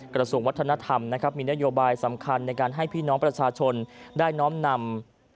กระทรวงวัฒนธรรมมีนโยบายสำคัญในการให้พี่น้องประชาชนได้น้อมนำ